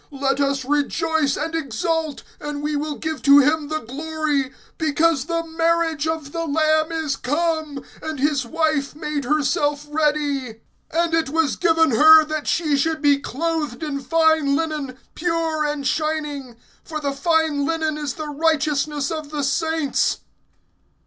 (7)Let us rejoice and exult, and we will give to him the glory; because the marriage of the Lamb is come, and his wife made herself ready. (8)And it was given her that she should be clothed in fine linen, pure and shining; for the fine linen is the righteousness of the saints.